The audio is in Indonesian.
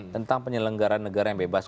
tentang penyelenggaran negara yang bebas